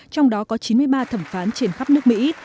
trong đó có chín mươi ba thẩm phán trên khắp nước mỹ